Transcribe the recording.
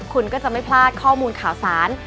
คุณก็จะไม่พลาดข้อมูลข่าวสาร